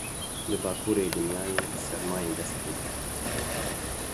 Li bakurê dinyayê sermayê dest pê kir.